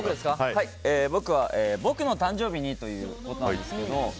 僕の誕生日にというのなんですけど。